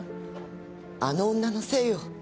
あの女のせいよ。